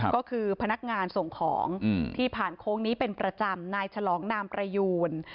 ก็คือพนักงานส่งของที่ผ่านโค้งนี้เป็นประจำนายฉลองนามประยูน